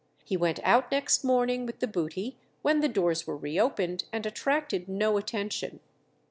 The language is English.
He went out next morning with the booty when the doors were re opened, and attracted no attention.